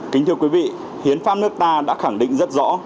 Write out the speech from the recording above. kính thưa quý vị hiến pháp nước ta đã khẳng định rất rõ